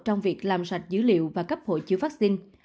trong việc làm sạch dữ liệu và cấp hồi chứa vaccine